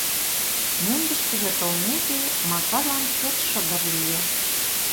Мӧҥгышкыжӧ толмеке, Макарлан чот шыгыр лие.